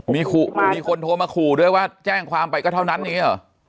มีคนโทรมาขู่ด้วยว่าแจ้งความไปก็เท่านั้นอย่างนี้หรอ